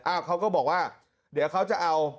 เขาก็บอกว่าเดี๋ยวเขาจะเอา